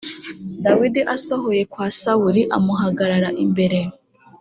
Dawidi asohoye kwa Sawuli amuhagarara imbere.